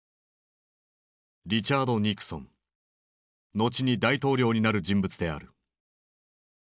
後に大統領になる人物である。